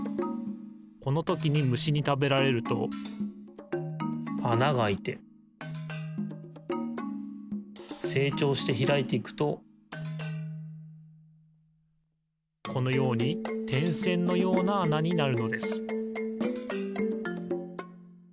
このときにむしにたべられるとあながあいてせいちょうしてひらいていくとこのようにてんせんのようなあなになるのです